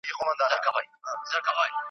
اخره زمانه سوه د چرګانو یارانه سوه .